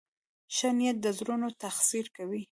ښه نیت د زړونو تسخیر کوي.